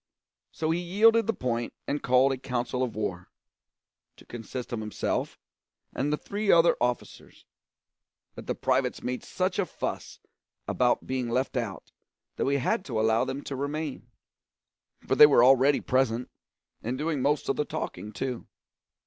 So he yielded the point and called a council of war to consist of himself and the three other officers; but the privates made such a fuss about being left out, that we had to allow them to remain, for they were already present, and doing the most of the talking too.